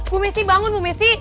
bu messi bangun bu messi